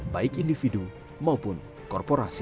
baik individu maupun korporasi